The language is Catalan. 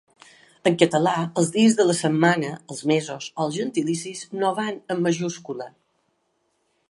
En català els dies de la setmana, els mesos o els gentilicis no van en majúscula.